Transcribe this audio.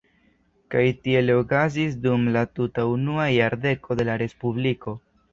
Kaj tiele okazis dum la tuta unua jardeko de la Respubliko.